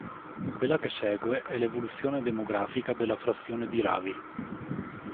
Quella che segue è l'evoluzione demografica della frazione di Ravi.